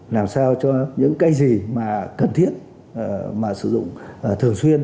làm sao cho những cái gì mà cần thiết mà sử dụng thường xuyên